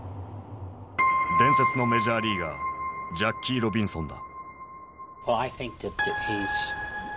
伝説のメジャーリーガージャッキー・ロビンソンだ。